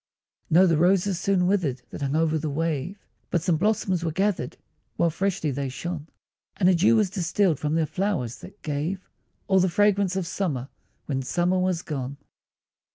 No, the roses soon withered that hung o'er the wave, But some blossoms were gathered, while freshly they shone, And a dew was distilled from their flowers, that gave All the fragrance of summer, when summer was gone.